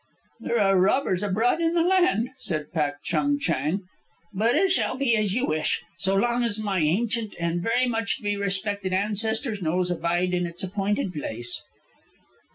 "There are robbers abroad in the land," said Pak Chung Chang, sadly. "But it shall be as you wish, so long as my ancient and very much to be respected ancestor's nose abide in its appointed place."